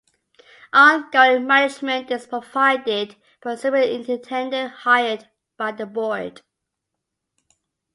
Ongoing management is provided by a Superintendent hired by the Board.